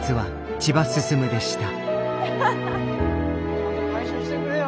ちゃんと回収してくれよ